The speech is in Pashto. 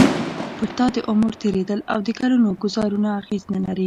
پر تا د عمر تېرېدل او د کلونو ګوزارونه اغېز نه لري.